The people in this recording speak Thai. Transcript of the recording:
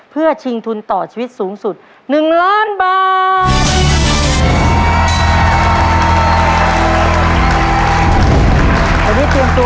เพื่อชิงทุนต่อชีวิตสูงสุด๑ล้านบาท